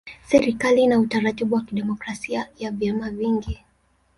Serikali ina utaratibu wa kidemokrasia ya vyama vingi.